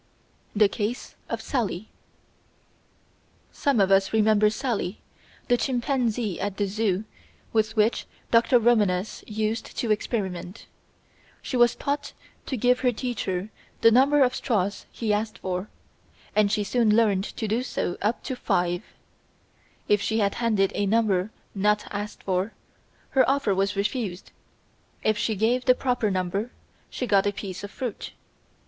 The Case of Sally Some of us remember Sally, the chimpanzee at the "Zoo" with which Dr. Romanes used to experiment. She was taught to give her teacher the number of straws he asked for, and she soon learned to do so up to five. If she handed a number not asked for, her offer was refused; if she gave the proper number, she got a piece of fruit.